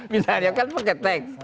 misalnya kan pakai teks